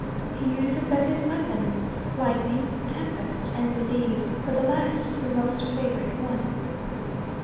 He uses as his weapons lightning, tempest, and disease, but the last is the most favourite one.